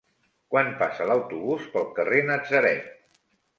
Quan passa l'autobús pel carrer Natzaret?